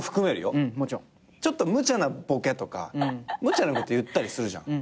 ちょっと無茶なボケとか無茶なこと言ったりするじゃん。